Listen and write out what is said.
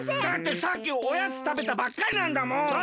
だってさっきおやつたべたばっかりなんだもん！